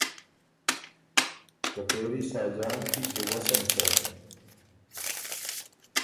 که پېری ساجان کی غؤسم څۀ؟